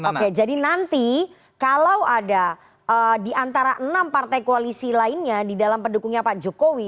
oke jadi nanti kalau ada di antara enam partai koalisi lainnya di dalam pendukungnya pak jokowi